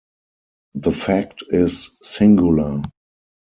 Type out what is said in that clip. The fact is singular.